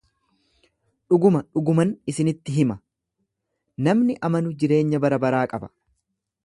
Dhuguma dhuguman isinitti hima, namni amanu jireenya barabaraa qaba.